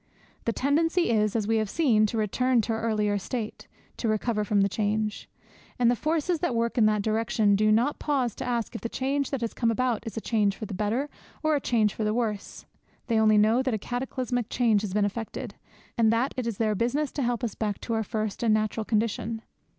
The tendency is, as we have seen, to return to our earlier state, to recover from the change. And the forces that work in that direction do not pause to ask if the change that has come about is a change for the better or a change for the worse. They only know that a cataclysmic change has been effected, and that it is their business to help us back to our first and natural condition.